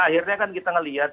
akhirnya kan kita melihat